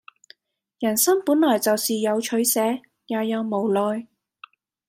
人生本來就是有取捨、也有無奈